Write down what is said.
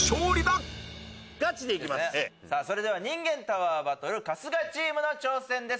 それではにんげんタワーバトル春日チームの挑戦です。